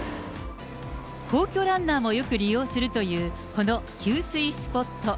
皇居ランナーもよく利用するという、この給水スポット。